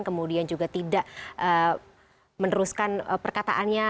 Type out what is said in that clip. kemudian juga tidak meneruskan perkataannya